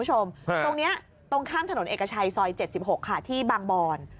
ตรงนี้ตรงข้ามถนนเอกชัยซอย๗๖ค่ะที่บางบอน